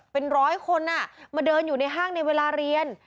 เป็นร้อยคนมาเดินอยู่ในห้างในเวลาเรียน